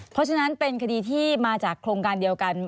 เพราะฉะนั้นเป็นคดีที่มาจากโครงการเดียวกัน